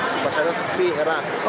supasarnya sepi erat